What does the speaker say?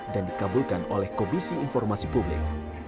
dan dikabulkan oleh komisi informasi publik